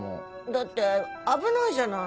だって危ないじゃない。